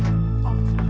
terima kasih pak